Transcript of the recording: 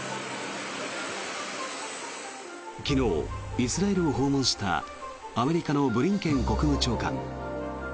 昨日、イスラエルを訪問したアメリカのブリンケン国務長官。